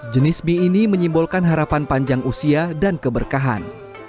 jenis mie ini menyimbolkan harapan panjang usia dan keberkahan